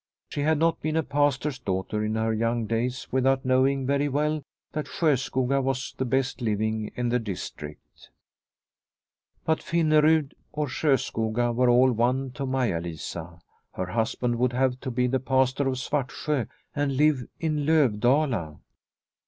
She had not been a Pastor's daughter in her young days with out knowing very well that Sjoskoga was the best living in the district. But Finnerud or Sjoskoga were all one to Maia Lisa ; her husband would have to be the Pastor of Svartsjo and live in Lovdala.